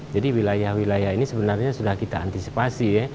jadi wilayah wilayah ini sebenarnya sudah kita antisipasi ya